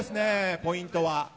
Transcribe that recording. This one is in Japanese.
ポイントは。